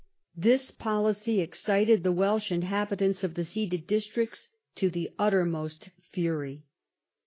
This policy excited the Welsh inhabitants of the ceded districts to the uttermost fury.